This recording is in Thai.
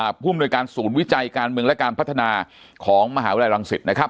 ผู้อำนวยการศูนย์วิจัยการเมืองและการพัฒนาของมหาวิทยาลังศิษย์นะครับ